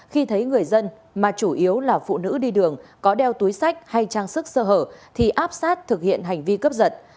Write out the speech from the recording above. khi thấy người dân mà chủ yếu là phụ nữ đi đường có đeo túi sách hay trang sức sơ hở thì áp sát thực hiện hành vi cướp giật